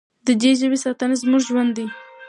د دې ژبې ساتنه زموږ ژوند دی.